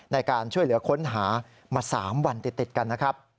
ในการช่วยเหลือค้นหามา๓วันติดกันนะครับ